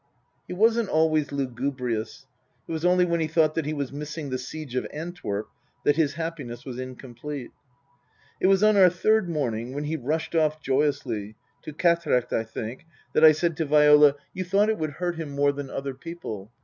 He wasn't always lugubrious. It was only when he thought that he was missing the Siege of Antwerp that his happiness was incomplete. It was on our third morning, when lie rushed off joyously (to Quatrecht, I think), that I said to Viola, " You thought Book III : His Book 303 it would hurt him more than other people.